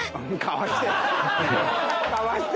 買わして。